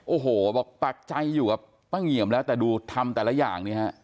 โอ้โหบอกปักใจอยู่กับป้าเงี่ยมแล้วแต่ดูทำแต่ละอย่างเนี่ยฮะ